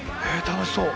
楽しそう！